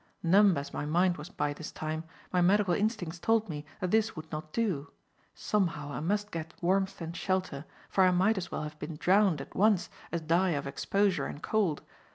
Numb as my mind was by this time, my medical instincts told me that this would not do. Somehow I must get warmth and shelter, for I might as well have been drowned at once as die of exposure and cold.